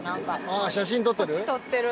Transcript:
ああ写真撮ってる？